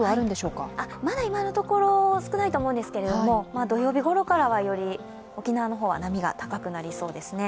いまだ今のところ少ないと思うんですけれども土曜日ごろからは、より沖縄の方は波が高くなりそうですね。